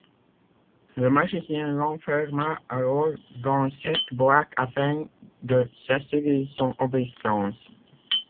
Le magicien l’enferma alors dans cette boîte afin de s’assurer son obéissance.